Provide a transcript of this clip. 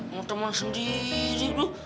mau teman sendiri lu